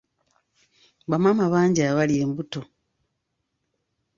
Bamaama bangi abali embuto.